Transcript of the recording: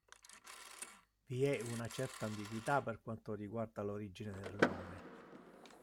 Vi è una certa ambiguità per quanto riguarda l'origine del nome.